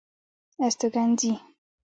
استوګنځي